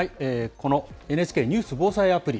このＮＨＫニュース・防災アプリ。